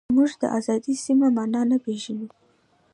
موږ د ازادۍ سمه مانا نه پېژنو.